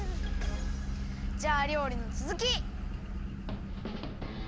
じゃありょうりのつづき！